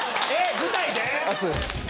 舞台で？